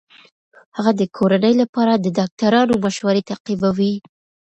هغه د کورنۍ لپاره د ډاکټرانو مشورې تعقیبوي.